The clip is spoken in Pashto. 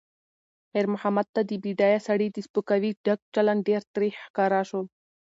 خیر محمد ته د بډایه سړي د سپکاوي ډک چلند ډېر تریخ ښکاره شو.